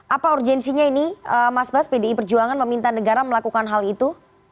apa urgensinya ini mas bas pdi perjuangan meminta negara melakukan hal itu